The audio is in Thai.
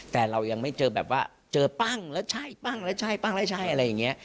แต่เรายังไม่เจอแบบว่าเจอปั้งแล้วใช่ปั้งแล้วใช่ปั้งแล้วใช่อะไรอย่างนี้